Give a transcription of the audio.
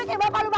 ada siapa sih